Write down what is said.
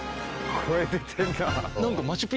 声出てんなぁ。